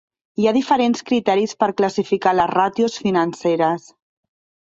Hi ha diferents criteris per classificar les ràtios financeres.